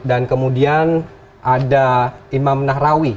dan kemudian ada imam nahrawi